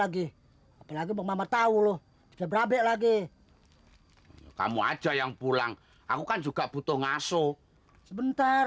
lagi apalagi mama tahu loh seberabek lagi kamu aja yang pulang aku kan juga butuh ngasuh sebentar